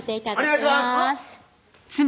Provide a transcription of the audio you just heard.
お願いします！